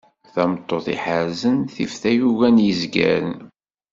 tameṭṭut i iḥerrzen tif tayuga n yezgaren.